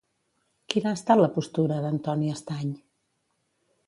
Quina ha estat la postura d'Antoni Estañ?